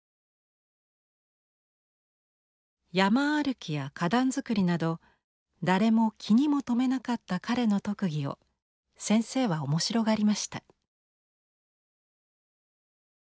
山歩きや花壇づくりなど誰も気にも留めなかった彼の特技を先生は面白がりました。